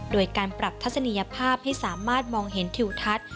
โดยการปรับทัศนียภาพให้สามารถมองเห็นทิวทัศน์